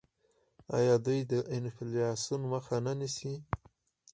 آیا دوی د انفلاسیون مخه نه نیسي؟